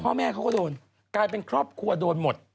พ่อแม่เขาก็โดนกลายเป็นครอบครัวโดนหมด